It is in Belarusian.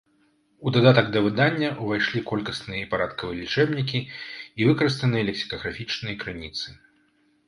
У дадатак да выдання увайшлі колькасныя і парадкавыя лічэбнікі і выкарыстаныя лексікаграфічныя крыніцы.